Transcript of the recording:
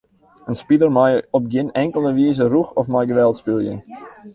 In spiler mei op gjin inkelde wize rûch of mei geweld spylje.